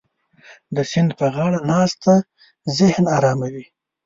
د سیند په غاړه ناسته ذهن اراموي.